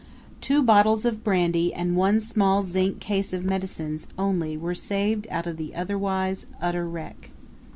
Two bottles of brandy and one small zinc case of medicines only were saved out of the otherwise utter wreck.